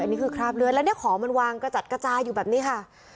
อันนี้คือคราบเลือดแล้วเนี่ยของมันวางกระจัดกระจายอยู่แบบนี้ค่ะ